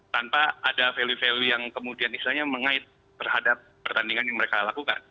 tanpa ada value value yang kemudian istilahnya mengait terhadap pertandingan yang mereka lakukan